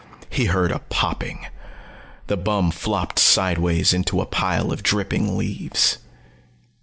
He heard a popping. The bum flopped sidewise into a pile of dripping leaves.